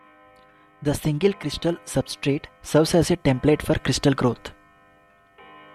The single crystal substrate serves as a template for crystal growth.